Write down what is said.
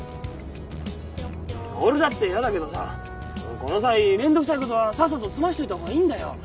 俺だって嫌だけどさこの際面倒くさいことはさっさと済ましといた方がいいんだよ。